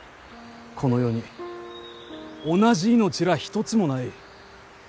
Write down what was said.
この世に同じ命らあ一つもない。